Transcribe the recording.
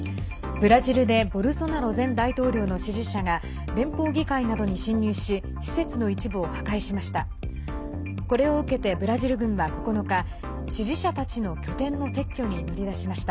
ブラジルでボルソナロ前大統領の支持者が連邦議会などに侵入し施設の一部を破壊しました。